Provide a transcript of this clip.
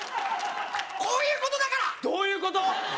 こういうことだからどういうこと！？